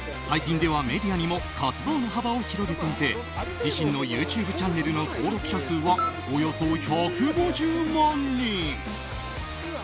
最近では、メディアにも活動の幅を広げていて自身のＹｏｕＴｕｂｅチャンネルの登録者数はおよそ１５０万人。